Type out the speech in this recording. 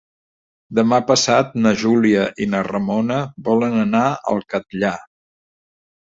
Demà passat na Júlia i na Ramona volen anar al Catllar.